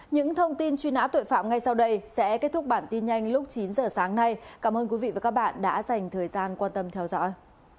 những thông tin truy nã tội phạm ngay sau đây sẽ kết thúc bản tin nhanh lúc chín giờ sáng nay cảm ơn quý vị và các bạn đã dành thời gian quan tâm theo dõi